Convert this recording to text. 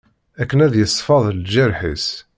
Akken ad d-yesfeḍ lğerḥ-is.